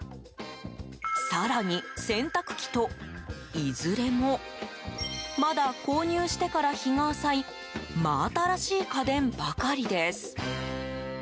更に洗濯機と、いずれもまだ購入してから日が浅い真新しい家電ばかりです。